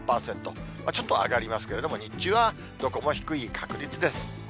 ちょっと上がりますけれども、日中はどこも低い確率です。